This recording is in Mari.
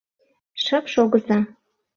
Шып шогыза!